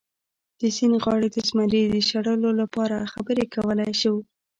د سیند غاړې د زمري د شړلو لپاره خبرې کولی شو.